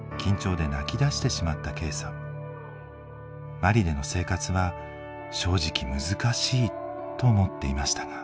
マリでの生活は正直難しいと思っていましたが。